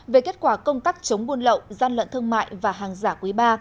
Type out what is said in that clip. về kết quả công tác chống buôn lậu gian lận thương mại và hàng giả quý ba